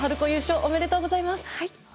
おめでとうございます。